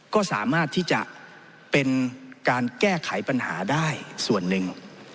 ก็สามารถที่จะเป็นการแก้ไขปัญหาได้ส่วนหนึ่ง